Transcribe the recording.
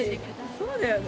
そうだよね。